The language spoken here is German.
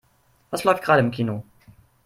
Was läuft gerade im Kino?